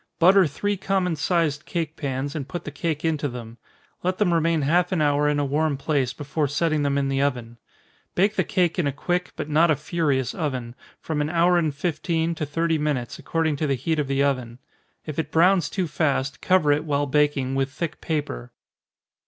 Butter three common sized cake pans, and put the cake into them let them remain half an hour in a warm place, before setting them in the oven. Bake the cake in a quick, but not a furious oven, from an hour and fifteen to thirty minutes, according to the heat of the oven. If it browns too fast, cover it, while baking, with thick paper.